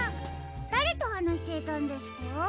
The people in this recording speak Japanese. だれとはなしていたんですか？